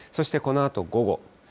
そしてこのあと午後。